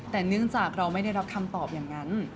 แต่เนื่องจากเราไม่ได้รับคำตอบอย่างนั้น